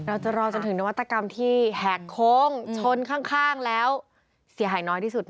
เราจะรอจนถึงนวัตกรรมที่แหกโค้งชนข้างแล้วเสียหายน้อยที่สุด